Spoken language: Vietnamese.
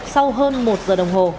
sau hơn một giờ đồng hồ